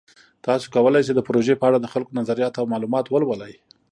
تاسو کولی شئ د پروژې په اړه د خلکو نظریات او معلومات ولولئ.